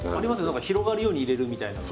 なんか広がるように入れるみたいな。